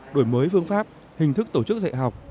đổi mới phương pháp hình thức tổ chức dạy học